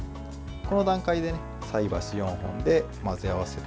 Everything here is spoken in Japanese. この段階で菜箸４本で混ぜ合わせてください。